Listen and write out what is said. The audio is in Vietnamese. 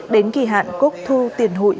đến kỳ hạn cúc thu tiền hụi